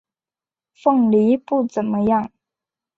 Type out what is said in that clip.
凤梨不怎么样